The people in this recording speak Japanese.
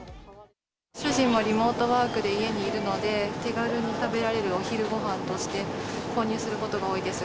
主人もリモートワークで家にいるので、手軽に食べられるお昼ごはんとして、購入することが多いです。